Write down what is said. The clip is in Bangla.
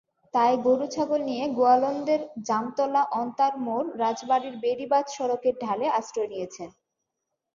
তাই গরু-ছাগল নিয়ে গোয়ালন্দের জামতলা-অন্তার মোড় রাজবাড়ীর বেড়িবাঁধ সড়কের ঢালে আশ্রয় নিয়েছেন।